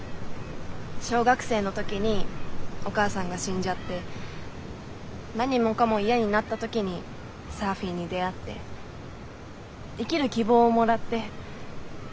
小学生の時にお母さんが死んじゃって何もかも嫌になった時にサーフィンに出会って生きる希望をもらって。